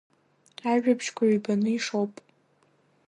Абжьқәа ҩбаны ишоуп…